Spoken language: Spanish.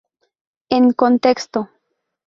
En contexto.